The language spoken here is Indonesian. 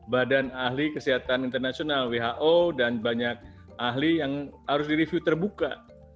badan ahli kesehatan internasional who dan banyak ahli yang harus direview terbuka